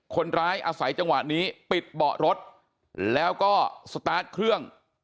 คนร้ายอาศัยจังหวะนี้ปิดเบาะรถแล้วก็สตาร์ทเครื่อง